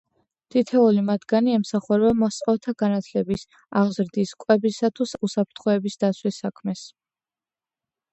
თითოეული მათგანი ემსახურება მოსწავლეთა განათლების, აღზრდის, კვებისა, თუ უსაფრთხოების დაცვის საქმეს.